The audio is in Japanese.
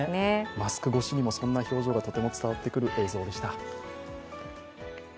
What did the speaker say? マスク越しにも、そんな表情が伝わってくる映像でした。